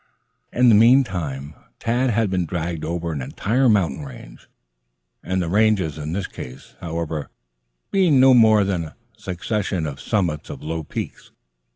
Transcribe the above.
In the meantime, Tad had been dragged over an entire mountain range, the ranges in this case, however, being no more than a succession of summits of low peaks.